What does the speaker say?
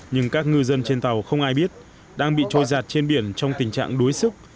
nhưng các ngư dân trên tàu không ai biết đang bị trôi giạt trên biển trong tình trạng đuối sức